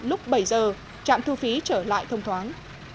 lúc bảy giờ trạm thu phí trở lại thông thoáng